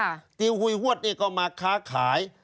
นายเตียวฮุยฮวชเนี่ยก็มาค้าขาย